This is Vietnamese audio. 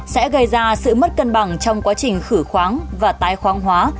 sẽ gây ra sự mất cân bằng trong quá trình khử khoáng và tái khoáng hóa